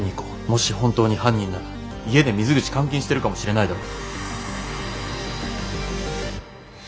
もし本当に犯人なら家で水口監禁してるかもしれないだろ。